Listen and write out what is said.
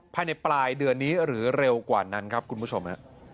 ภายในปลายเดือนนี้หรือเร็วกว่านั้นครับคุณผู้ชม